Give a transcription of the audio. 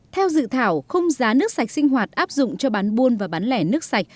theo dự thảo khung giá nước sạch sinh hoạt áp dụng cho bán buôn và bán lẻ nước sạch